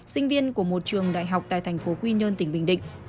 sinh viên của một trường đại học tại thành phố quy nhơn tỉnh bình định